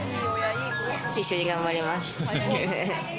一緒に頑張ります。